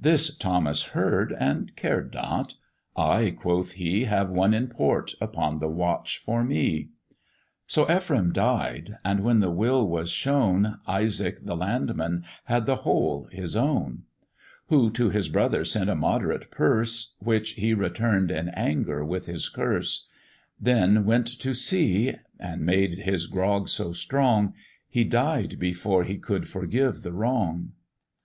This Thomas heard, and cared not: "I," quoth he, "Have one in port upon the watch for me." So Ephraim died, and when the will was shown, Isaac, the landman, had the whole his own: Who to his brother sent a moderate purse, Which he return'd in anger, with his curse; Then went to sea, and made his grog so strong, He died before he could forgive the wrong.